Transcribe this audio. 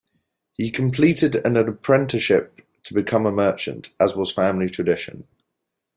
He completed an apprenticeship to become a merchant, as was family tradition.